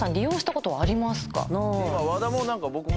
今和田も